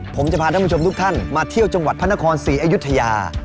ผมจะพาท่านผู้ชมทุกท่านมาเที่ยวจังหวัดพระนครศรีอยุธยา